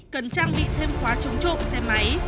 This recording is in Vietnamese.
cần trang bị thêm khóa chống trộm xe máy